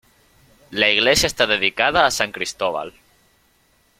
La iglesia está dedicada a san Cristóbal.